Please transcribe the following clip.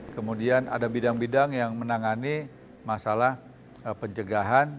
kemudian ada bidang bidang yang menangani masalah pencegahan